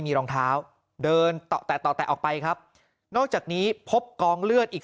เครื่องรองเท้าเดินตะแตะออกไปครับนอกจากนี้พบกองเลือดอีก